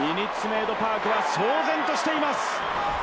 メイド・パークは騒然としています。